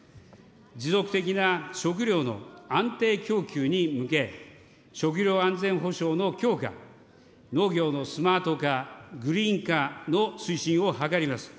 持続的な食料の安定供給に向け、食料安全保障の強化、農業のスマート化・グリーン化の推進を図ります。